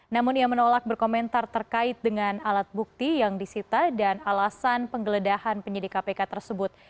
namun ia menolak berkomentar terkait dengan alat bukti yang disita dan alasan penggeledahan penyidik kpk tersebut